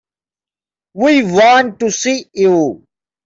We want to see you.